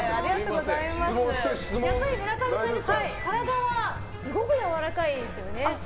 村上さんは体はすごくやわらかいですよね。